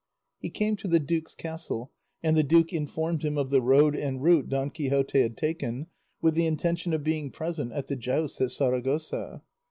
He came to the duke's castle, and the duke informed him of the road and route Don Quixote had taken with the intention of being present at the jousts at Saragossa.